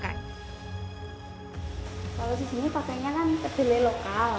kalau di sini pakainya kan kedelai lokal